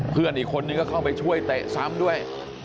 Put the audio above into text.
เพื่อนอีกคนนึงก็เข้าไปช่วยเตะซ้ำด้วย